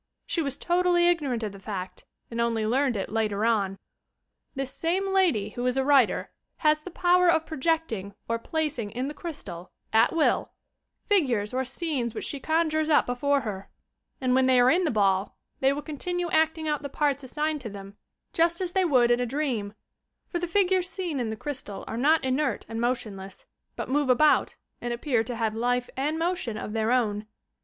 She was totally ignorant of the fact and only learned it later on. This same lady who is a writer, has the power of projecting or placing in the crystal, at will, figures or scenes which she conjures up before her and when they are in the ball, they will continue acting out the parts assigned to them, just as they would in a dream, — for the figures seen in the crystal are not inert and motion less, but move about and appear to have life and motion of their own.